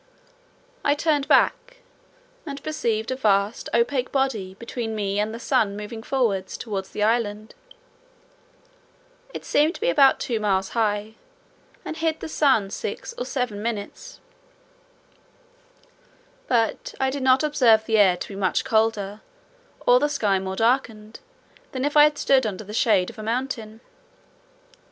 I turned back, and perceived a vast opaque body between me and the sun moving forwards towards the island: it seemed to be about two miles high, and hid the sun six or seven minutes; but I did not observe the air to be much colder, or the sky more darkened, than if I had stood under the shade of a mountain.